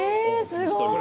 すごい！